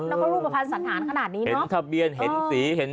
แล้วก็รูปภัณฑ์สันธารขนาดนี้นะเห็นทะเบียนเห็นสีเห็น